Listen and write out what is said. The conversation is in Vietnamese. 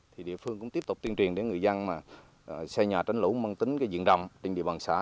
thì địa phương cũng tiếp tục tuyên truyền đến người dân mà xây nhà tránh lũ măng tính cái diện rầm trên địa bàn xã